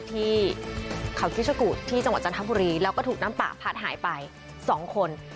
ที่เขาที่ชะกุที่จังหวัดจันทร์ภูรีแล้วก็ถูกน้ำปากพัดหายไปสองคน